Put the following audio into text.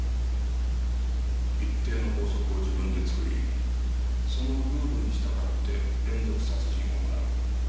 一定の法則を自分で作りそのルールに従って連続殺人を行う。